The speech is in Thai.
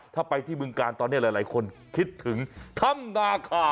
ถ้าไปที่เมืองกาลตอนนี้หลายคนคิดถึงธรรมดาค่ะ